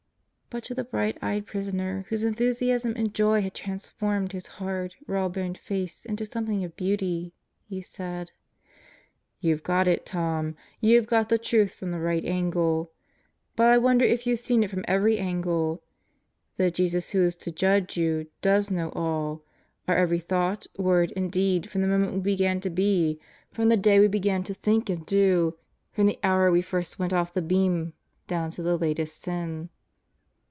But to the bright eyed prisoner whose enthusiasm and joy had transformed his hard, raw boned face into something of beauty, he said: "You've got it, Tom. You've got the truth from the right angle. But I wonder if youVe seen it from every angle. The Jesus who is to judge you, does know all. Our every thought, word, and deed from the moment we began to be, from the day we began to think and do, from the hour we first went off the beam down to the latest sin.